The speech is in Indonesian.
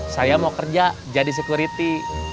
saya mau kerja jadi security